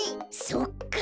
そっか！